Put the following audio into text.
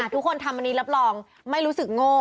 ทุกคนทำอันนี้รับรองไม่รู้สึกโง่